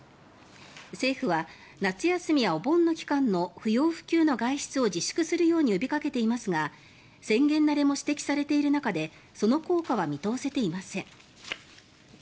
政府は夏休みやお盆の期間の不要不急の外出を自粛するように呼びかけていますが宣言慣れも指摘されている中でその効果は見通せていません。